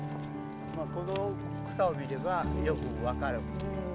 この草を見ればよく分かる。